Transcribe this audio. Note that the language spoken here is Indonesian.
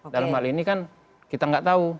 dalam hal ini kan kita nggak tahu